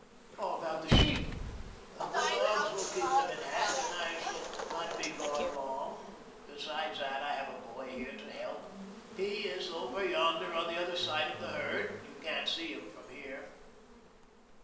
"How about the sheep?" "The dogs will keep them in hand, and I shall not be gone long. Besides that, I have a boy here to help. He is over yonder on the other side of the herd. We can't see him from here."